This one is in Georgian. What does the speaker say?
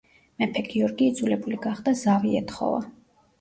მეფე გიორგი იძულებული გახდა ზავი ეთხოვა.